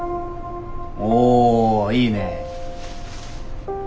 おいいね。